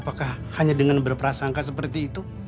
apakah hanya dengan berprasangka seperti itu